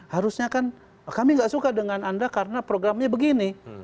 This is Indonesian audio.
harusnya kan kami gak suka dengan anda karena programnya begini